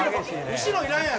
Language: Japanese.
後ろいらんやろ。